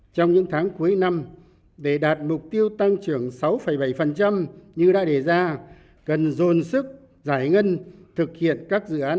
trong những tháng cuối năm để đạt mục tiêu tăng trưởng sáu bảy như đã đề ra cần dồn sức giải ngân thực hiện các dự án